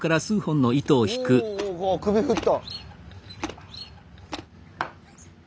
お首振った。